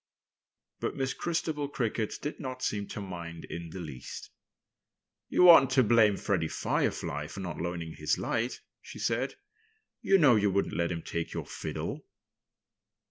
But Miss Christabel Cricket did not seem to mind in the least. "You oughtn't to blame Freddie Firefly for not loaning his light," she said. "You know you wouldn't let him take your fiddle."